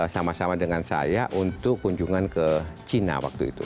sama sama dengan saya untuk kunjungan ke cina waktu itu